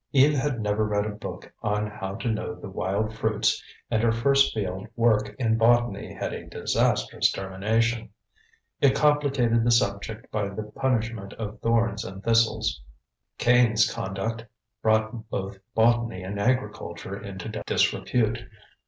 Eve had never read a book on how to know the wild fruits, and her first field work in botany had a disastrous termination; it complicated the subject by the punishment of thorns and thistles. Cain's conduct brought both botany and agriculture into disrepute.